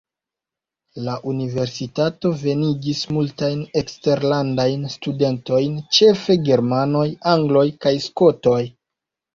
La universitato venigis multajn eksterlandajn studentojn, ĉefe germanoj, angloj kaj skotoj.